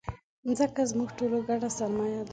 مځکه زموږ ټولو ګډه سرمایه ده.